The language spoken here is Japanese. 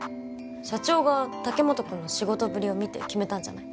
社長が竹本くんの仕事ぶりを見て決めたんじゃない？